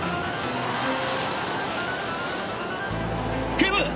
警部！